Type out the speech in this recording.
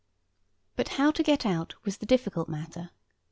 But how to get out was the difficult matter.